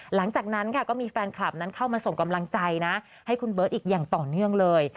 หลังจากนั้นค่ะก็มีแฟนคลับนั้นเข้ามาส่งกำลังใจนะให้คุณเบิร์ตอีกอย่างต่อเนื่องเลย